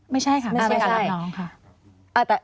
ไม่ใช่ค่ะไม่ใช่ทราบน้องค่ะ